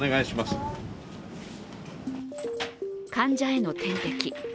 患者への点滴。